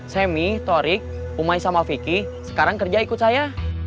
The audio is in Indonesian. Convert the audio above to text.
semi torik umai sama vicky sekarang kerja ikut saya